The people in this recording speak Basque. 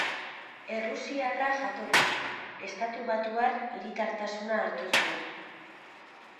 Errusiarra jatorriz, estatubatuar hiritartasuna hartu zuen.